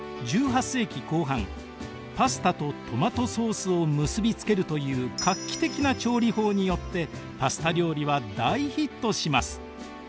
１８世紀後半パスタとトマトソースを結び付けるという画期的な調理法によってパスタ料理は大ヒットします。